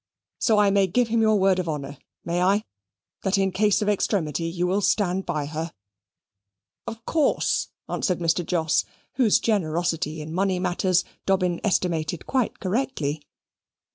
So I may give him your word of honour, may I, that in case of extremity you will stand by her?" "Of course, of course," answered Mr. Jos, whose generosity in money matters Dobbin estimated quite correctly.